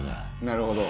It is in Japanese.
「なるほど！」